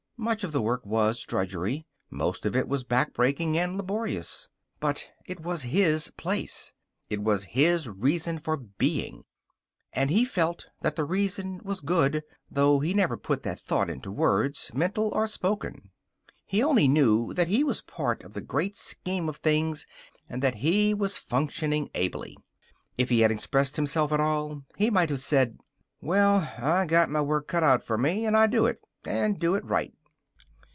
Much of the work was drudgery; most of it was backbreaking and laborious. But it was his place. It was his reason for being. And he felt that the reason was good, though he never put that thought into words, mental or spoken. He only knew that he was part of the great scheme of things and that he was functioning ably. If he had expressed himself at all, he might have said: "Well, I got my work cut out for me, and I do it, and do it right."